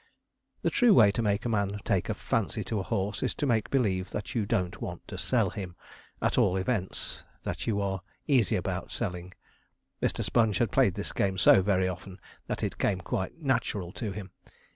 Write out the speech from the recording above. The true way to make a man take a fancy to a horse is to make believe that you don't want to sell him at all events, that you are easy about selling. Mr. Sponge had played this game so very often, that it came quite natural to him.